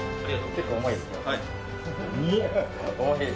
結構重いですよ。